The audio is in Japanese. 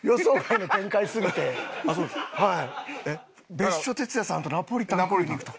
別所哲也さんとナポリタン食いに行くと。